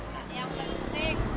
tapi yang penting